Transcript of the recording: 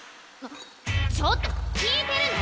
ちょっと聞いてるの！？